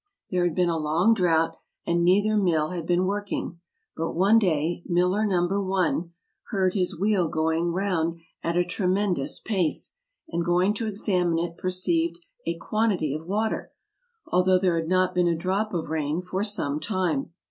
There had been a long drought, and neither mill had been working; but one day miller No. I heard his wheel going round at a tre mendous pace, and going to examine it perceived a quantity of water, although there had not been a drop of rain for some time.